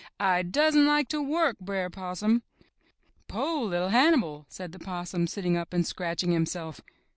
I doesn't like to work, Br'er Possum." *To' Li'l' Hannibal!" said the Possum, sitting up and scratching himself.